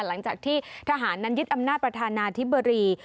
หลังจากที่ทหารนั้นยึดอำนาจประธานาธิบดี